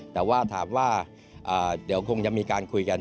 แต่ว่าถามว่าเดี๋ยวคงจะมีการคุยกัน